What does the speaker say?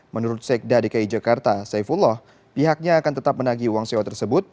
menurut sekda dki jakarta saifullah pihaknya akan tetap menagi uang sewa tersebut